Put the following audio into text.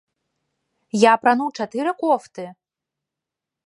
Я апрануў чатыры кофты!